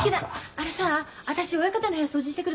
あのさ私親方の部屋掃除してくるから。